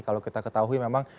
kalau kita ketahui memang